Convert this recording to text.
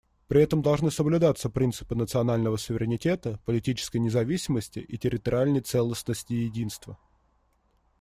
При этом должны соблюдаться принципы национального суверенитета, политической независимости и территориальной целостности и единства.